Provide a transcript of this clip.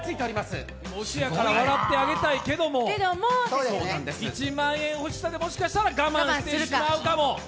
ファンだから笑ってあげたいけれども、１万円欲しさでもしかしたら我慢してしまうかも。